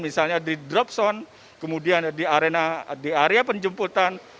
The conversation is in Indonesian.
misalnya di drop zone kemudian di area penjemputan